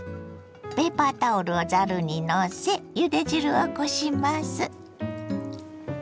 ペーパータオルをざるにのせゆで汁をこします。